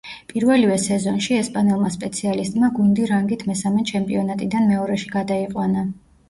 პირველივე სეზონში ესპანელმა სპეციალისტმა გუნდი რანგით მესამე ჩემპიონატიდან მეორეში გადაიყვანა.